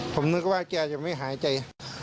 ผมนึกว่าแกจะไม่หายใจ